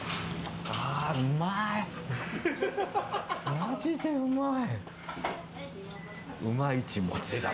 マジでうまい。